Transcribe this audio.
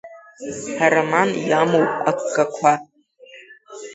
Ароман иамоуп агхақәа.